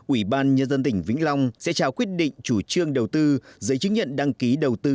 ủy ban nhân dân tỉnh vĩnh long sẽ trao quyết định chủ trương đầu tư giấy chứng nhận đăng ký đầu tư